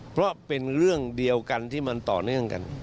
เพราะเป็นเรื่องเดียวกันที่มันต่อเนื่องกัน